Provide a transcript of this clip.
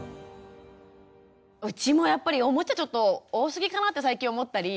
うちもやっぱりおもちゃちょっと多すぎかなって最近思ったり。